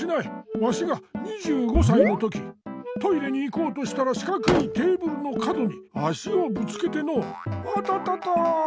わしが２５さいのときトイレに行こうとしたらしかくいテーブルの角に足をぶつけてのうあたたたっ！